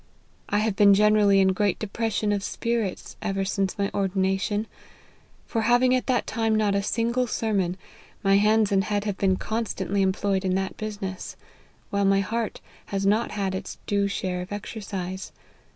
I have been generally in great depression of spirits ever since my ordina tion ; for, having at that time not a single sermon, my hands and head have been constantly employed in that business, while my heart has not had its due share of exercise.